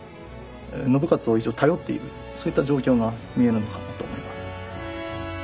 そういった状況が見えるのかなと思います。